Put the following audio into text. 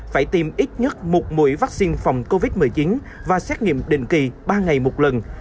phải tiêm ít nhất một mũi vaccine phòng covid một mươi chín và xét nghiệm định kỳ ba ngày một lần